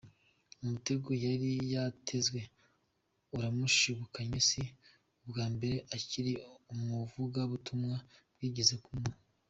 Umutego yari yatezwe uramushibukanye si n'ubwa mbere akiri n'umuvugabutumwa byigeze kumubaho.